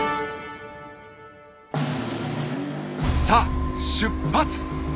さあ出発！